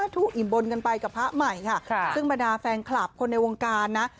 ทุกอิ่มบนกันไปกับพระใหม่ค่ะซึ่งบรรดาแฟนคลับคนในวงการนะ